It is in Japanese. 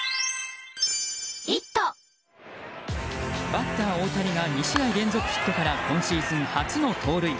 バッター大谷が２試合連続ヒットから今シーズン初の盗塁。